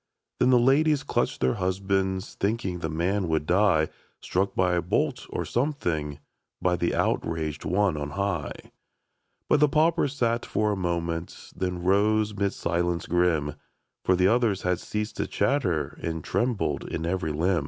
Then the ladies clutched their husbands Thinking the man would die. Struck by a bolt, or something, By the outraged One on high. But the pauper sat for a moment, Then rose 'mid a silence grim, For the others had ceased to chatter And trembled in every limb.